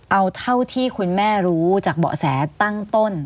เอาเท่าที่คุณแม่รู้จากเบาะแสตั้งต้น